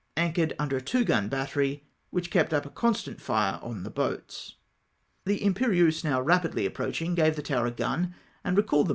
anchored under a two gun battery, which kept up a constant fire on the boats. The Imperieuse now rapidly approaching, gave the tower a gun and recalled the.